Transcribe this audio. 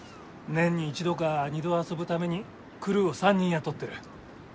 年に１度か２度遊ぶためにクルーを３人雇ってる。